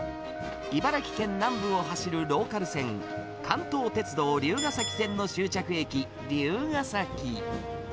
茨城県南部を走るローカル線、関東鉄道竜ヶ崎線の終着駅、竜ヶ崎。